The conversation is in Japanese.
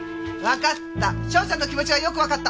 わかった！